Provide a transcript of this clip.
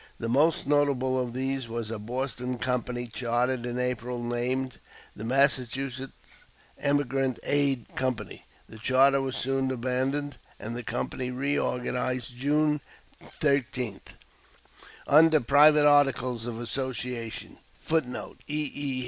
The most notable of these was a Boston company chartered in April, named "The Massachusetts Emigrant Aid Company." The charter was soon abandoned, and the company reorganized June 13th, under private articles of association; [Footnote: E. E.